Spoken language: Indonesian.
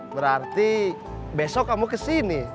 berarti besok kamu kesini